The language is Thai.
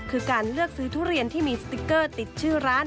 คือการเลือกซื้อทุเรียนที่มีสติ๊กเกอร์ติดชื่อร้าน